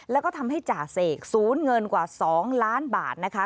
แล้วก็ทำให้จ่าเสกศูนย์เงินกว่า๒ล้านบาทนะคะ